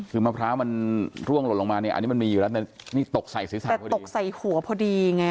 คือมะพร้าวมันร่วงหล่นลงมาเนี่ยอันนี้มันมีอยู่แล้วแต่นี่ตกใส่ศีรษะแต่ตกใส่หัวพอดีไง